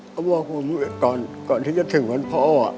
ก็ว่าผมอยู่ก่อนที่จะถึงวันพ่อ